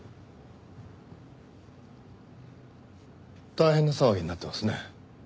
大変な騒ぎになってますね。